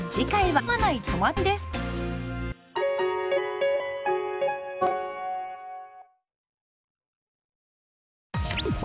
はい。